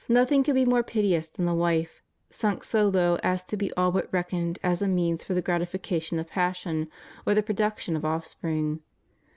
nothing could be more piteous than the wife, sunk so low as to be all but reckoned as a means for the gratification of passion, or for the production of offspring.